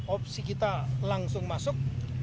opsi kita langsung masuk